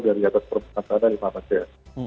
dari atas perusahaan sana lima meter